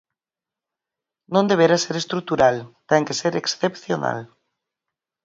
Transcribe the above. Non debera ser estrutural, ten que ser excepcional.